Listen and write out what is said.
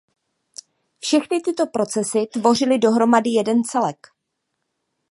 Všechny tyto procesy tvořily dohromady jeden celek.